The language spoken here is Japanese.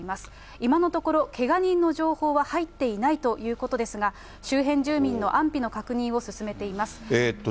今のところ、けが人の情報は入っていないということですが、周辺住民の安否の確認を進めています。